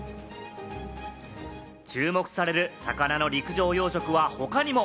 注目される魚の陸上養殖は他にも。